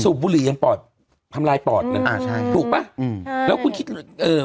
บุหรี่ยังปอดทำลายปอดเลยอ่าใช่ถูกป่ะอืมแล้วคุณคิดเอ่อ